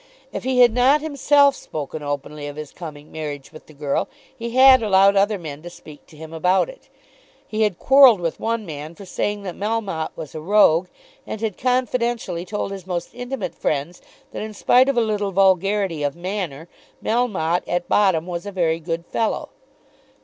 If he had not himself spoken openly of his coming marriage with the girl, he had allowed other men to speak to him about it. He had quarrelled with one man for saying that Melmotte was a rogue, and had confidentially told his most intimate friends that in spite of a little vulgarity of manner, Melmotte at bottom was a very good fellow.